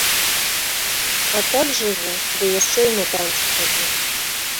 А так жыву, ды яшчэ і на танцы хаджу.